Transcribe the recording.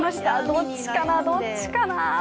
どっちかな、どっちかな